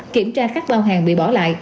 kiểm tra các bao hàng bị bỏ lại